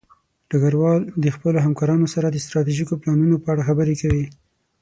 ډګروال د خپلو همکارانو سره د ستراتیژیکو پلانونو په اړه خبرې کوي.